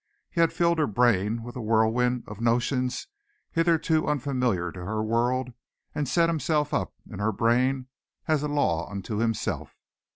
He had filled her brain with a whirlwind of notions hitherto unfamiliar to her world and set himself up in her brain as a law unto himself.